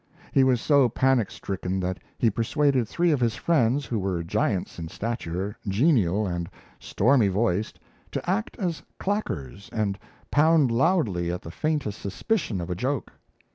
He was so panic stricken that he persuaded three of his friends, who were giants in stature, genial and stormy voiced, to act as claquers and pound loudly at the faintest suspicion of a joke.